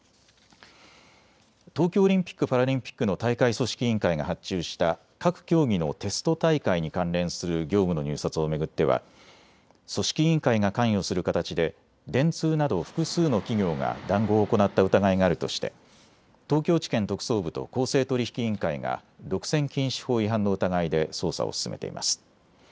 東京オリンピック・パラリンピックの大会組織委員会が発注した各競技のテスト大会に関連する業務の入札を巡っては組織委員会が関与する形で電通など複数の企業が談合を行った疑いがあるとして東京地検特捜部と公正取引委員会が独占禁止法違反の疑いで捜査を進めています。